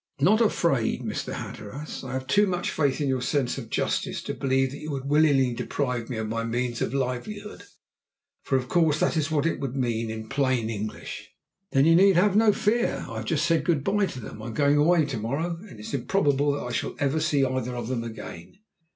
"Not afraid, Mr. Hatteras! I have too much faith in your sense of justice to believe that you would willingly deprive me of my means of livelihood for of course that is what it would mean in plain English." "Then you need have no fear. I have just said good bye to them. I am going away to morrow, and it is improbable that I shall ever see either of them again."